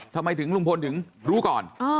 ทำไมถึงลุงพลถึงรู้ก่อน